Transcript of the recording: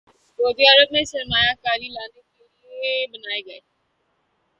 سعودی عرب میں سرمایہ کاری لانے کے لیے بنائے گئے